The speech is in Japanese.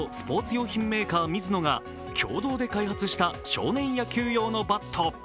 用品メーカー・ミズノが共同で開発した少年野球用のバット。